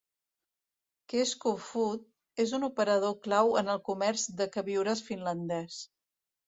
Kesko Food és un operador clau en el comerç de queviures finlandès.